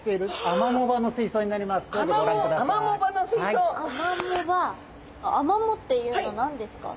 アマモっていうのは何ですか？